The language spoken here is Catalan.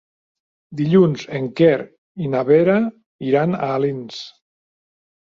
Dilluns en Quer i na Vera iran a Alins.